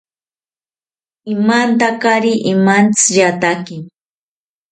Imantakari imantziyataki